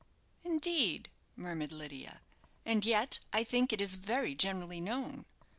"Indeed!" murmured Lydia; "and yet I think it is very generally known.